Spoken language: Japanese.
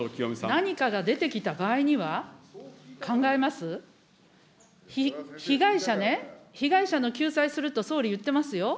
何かが出てきた場合には考えます、被害者ね、被害者の救済すると総理言ってますよ。